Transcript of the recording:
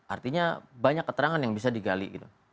artinya banyak keterangan yang bisa digali gitu